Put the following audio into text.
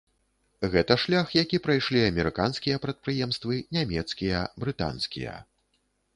Гэта шлях, які прайшлі амерыканскія прадпрыемствы, нямецкія, брытанскія.